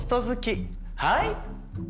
はい。